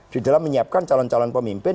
di dalam menyiapkan calon calon pemimpin